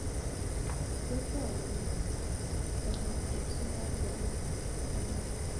kiotou kenyitkonye ribsetab nguruoniik chemo ng'ering'.